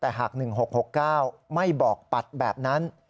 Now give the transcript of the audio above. แต่หาก๑๖๖๙ไม่บอกปัดแบบนั้น